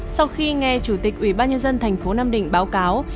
sau khi nghe chủ tịch ubnd tp nam định báo cáo